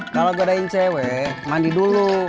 kalau godain cewek mandi dulu